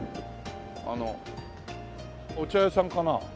あのお茶屋さんかな？